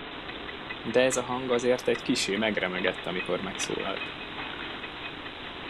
De ez a hang azért egy kissé megremegett, amikor megszólalt.